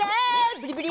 ブリブリ！